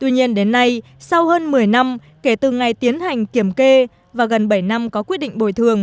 tuy nhiên đến nay sau hơn một mươi năm kể từ ngày tiến hành kiểm kê và gần bảy năm có quyết định bồi thường